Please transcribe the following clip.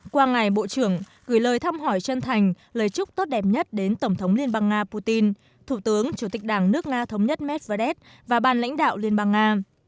qua ngày bộ trưởng gửi lời thăm hỏi chân thành lời chúc tốt đẹp nhất đến tổng thống liên bang nga putin thủ tướng chủ tịch đảng nước nga thống nhất medvedev và ban lãnh đạo liên bang nga